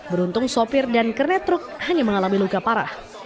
beruntung sopir dan kernetruk hanya mengalami luka parah